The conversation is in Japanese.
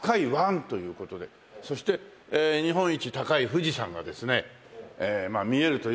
そして日本一高い富士山がですね見えるという事で。